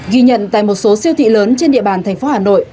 ghi nhận tại một số siêu thị lớn trên địa bàn thành phố hà nội